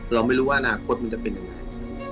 เราไม่รู้ว่าอนาคตมันจะเป็นยังไง